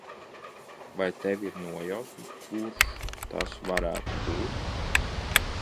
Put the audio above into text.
Vai tev ir nojausma, kurš tas varētu būt?